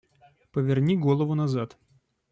Поверни голову назад!